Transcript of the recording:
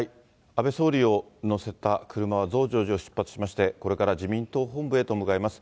安倍総理を乗せた車は、増上寺を出発しまして、これから自民党本部へと向かいます。